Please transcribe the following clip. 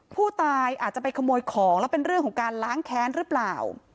ผู้ตายอาจจะไปขโมยของแล้วเป็นเรื่องของการล้างแค้นหรือเปล่า